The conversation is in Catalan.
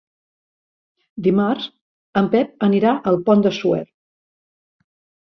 Dimarts en Pep anirà al Pont de Suert.